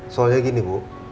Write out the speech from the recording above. soalnya gini bu